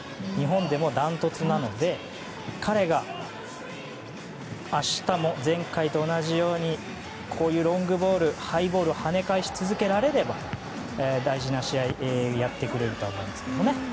日本でもダントツなので彼が明日も前回と同じようにこういうロングボールハイボールを跳ね返し続けられれば大事な試合やってくれると思いますけどね。